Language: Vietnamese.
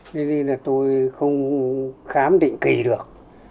nên là tôi không khám định kỳ được